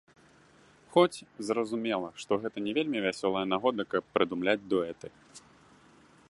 Хоць, зразумела, што гэта не вельмі вясёлая нагода, каб прыдумляць дуэты.